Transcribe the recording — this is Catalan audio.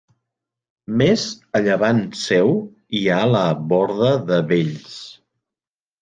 Més a llevant seu hi ha la borda de Vells.